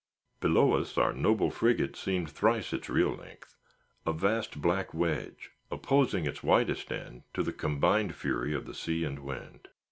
Below us, our noble frigate seemed thrice its real length—a vast black wedge, opposing its widest end to the combined fury of the sea and wind.